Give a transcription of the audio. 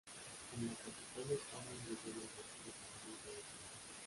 En la capital de España ingresó en el Partido Comunista de España.